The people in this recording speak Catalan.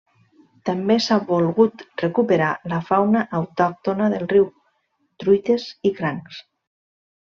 També s'ha volgut recuperar la fauna autòctona del riu: truites i crancs.